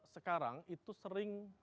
sekarang itu sering